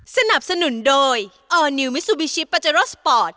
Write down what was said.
สนับสนุนโดยออร์นิวมิซูบิชิปาเจโรสปอร์ต